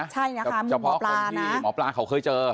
เฉพาะคนที่หมอปลาเค้าเคยเจอ